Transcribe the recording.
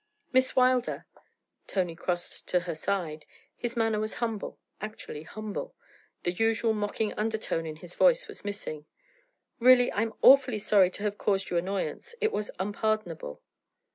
'Miss Wilder!' Tony crossed to her side; his manner was humble actually humble the usual mocking undertone in his voice was missing. 'Really I'm awfully sorry to have caused you annoyance; it was unpardonable.'